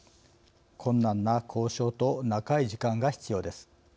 困難な交渉と長い時間が必要です。